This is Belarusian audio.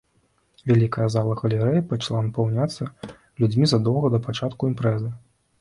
Вялікая зала галерэі пачала напаўняцца людзьмі задоўга да пачатку імпрэзы.